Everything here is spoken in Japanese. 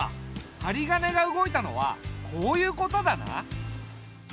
はりがねが動いたのはこういうことだな。